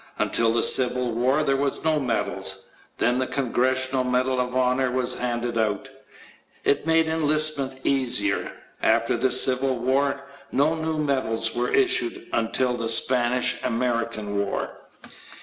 Until the Civil War there were no medals. Then the Congressional Medal of Honor was handed out. It made enlistments easier. After the Civil War no new medals were issued until the Spanish American War.